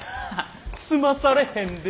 済まされへんでって。